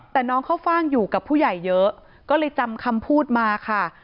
แต่น้องเข้าฟ่างอยู่กับผู้ใหญ่เยอะก็เลยจำคำพูดมาค่ะ